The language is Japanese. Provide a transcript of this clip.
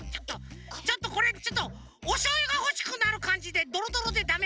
ちょっとこれちょっとおしょうゆがほしくなるかんじでドロドロでダメ